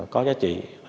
có giá trị